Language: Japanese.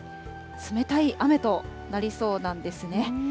冷たい雨となりそうなんですね。